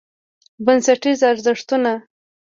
بنسټیز ارزښتونه: